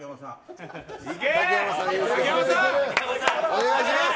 お願いします。